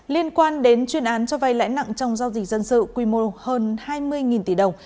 liên quan đến chuyên án cho vay lãi nặng trong giao dịch dân sự quy mô hơn hai mươi tỷ đồng